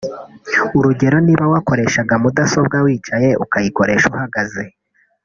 urugero niba wakoreshaga mudasobwa wicaye ukayikoresha uhagaze